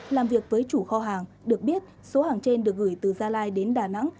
làm việc với chủ kho hàng được biết số hàng trên được gửi từ gia lai đến đà nẵng